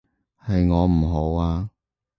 係我唔好啊